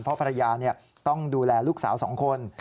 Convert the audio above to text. เพราะภรรยาต้องดูแลลูกสาว๒คน